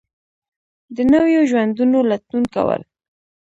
د نویو ژوندونو لټون کول